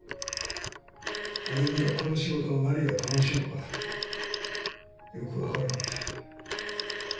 俺にはこの仕事の何が楽しいのかよく分からなかった。